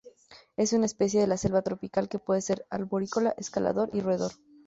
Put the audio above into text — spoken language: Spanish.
Es una especie de la selva tropical, que puede ser arborícola, escalador y roedor.